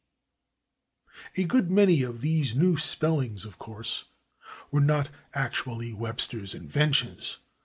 A good many of these new spellings, of course, were not actually Webster's inventions.